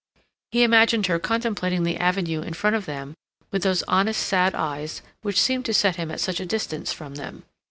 He imagined her contemplating the avenue in front of them with those honest sad eyes which seemed to set him at such a distance from them.